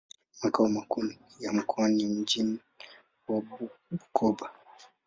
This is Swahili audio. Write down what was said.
Makao makuu ya mkoa ni mji wa Bukoba.